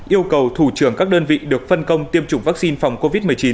yêu cầu thủ trưởng các đơn vị được phân công tiêm chủng vaccine phòng covid một mươi chín